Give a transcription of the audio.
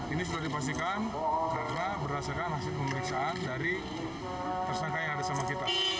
ini sudah dipastikan karena berdasarkan hasil pemeriksaan dari tersangka yang ada sama kita